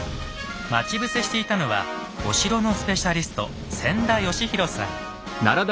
待ち伏せしていたのはお城のスペシャリスト千田嘉博さん。